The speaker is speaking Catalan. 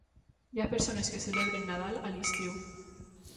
Hi ha persones que celebren Nadal a l'estiu.